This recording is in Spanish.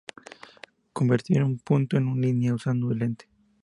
Convertir un punto en una línea usando una lente.